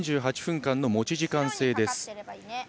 ３８分間の持ち時間制です。